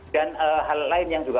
dan hal lain yang juga